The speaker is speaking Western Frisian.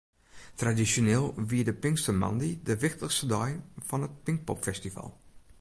Tradisjoneel wie pinkstermoandei de wichtichste dei fan it Pinkpopfestival.